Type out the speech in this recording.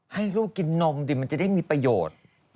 ให้ลูกกินนมดิมันจะได้มีประโยชน์